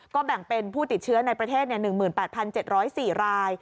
ก็แบ่งเป็นผู้ติดเชื้อในประเทศ๑๘๗๐๔ราย